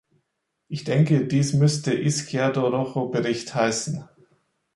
Ich denke, dies müsste Izquierdo-Rojo-Bericht heißen.